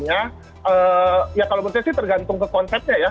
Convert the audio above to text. ya kalau menurut saya sih tergantung ke konsepnya ya